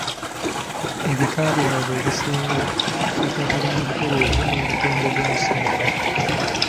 Ebika byabwe ebisinga bikwatagana butereevu n’obutonde bw’ensi.